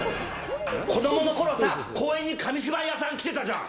子供のころさ、公園に紙芝居屋さん、来てたじゃん。